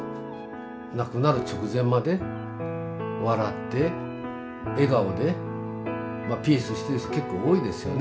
亡くなる直前まで笑って笑顔でピースしてる人結構多いですよね。